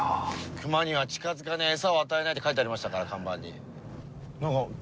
熊には近づかない餌を与えないって書いてありましたから看板に。